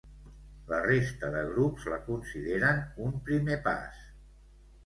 La resta de grups la consideren un primer pas.